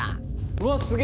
うわすげ。